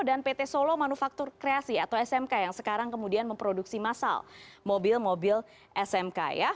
dan pt solo manufaktur kreasi atau smk yang sekarang kemudian memproduksi masal mobil mobil smk